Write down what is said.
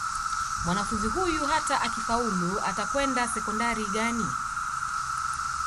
mwanafunzi huyu hata akifaulu atakwenda sekondari gani